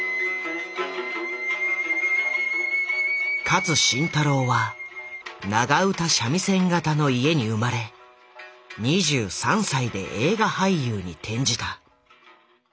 勝新太郎は長唄三味線方の家に生まれ２３歳で映画俳優に転じた。